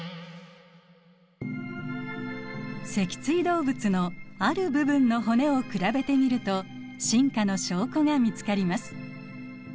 脊椎動物のある部分の骨を比べてみると進化の証拠が見つかります。